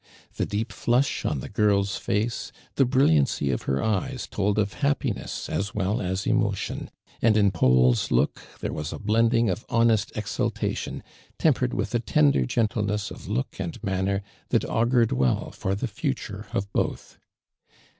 The deep flush on the girl's face, the bril liancy of her eyes told of happiness as well as emotion, and in Paul's look there was a blending of honest exultation, tempered with a tender gentleness of look and man ner that augured well for the future of both.